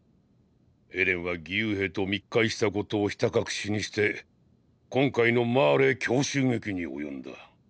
エレンは義勇兵と密会したことをひた隠しにして今回のマーレ強襲劇に及んだ。